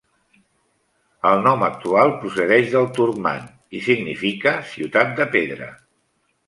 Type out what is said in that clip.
El nom actual procedeix del turcman i significa 'ciutat de pedra'.